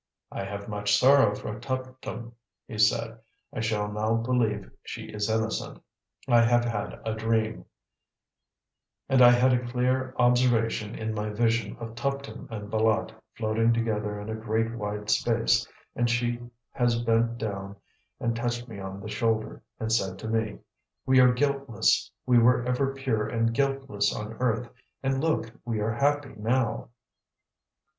"I have much sorrow for Tuptim," he said; "I shall now believe she is innocent. I have had a dream, and I had clear observation in my vision of Tuptim and Bâlât floating together in a great wide space, and she has bent down and touched me on the shoulder, and said to me, 'We are guiltless. We were ever pure and guiltless on earth, and look, we are happy now.'